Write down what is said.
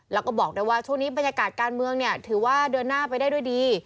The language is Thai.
แล้วก็บอกด้วยว่าช่วงนี้บรรยากาศการเมืองเนี่ยถือว่าเดินหน้าไปได้ด้วยดี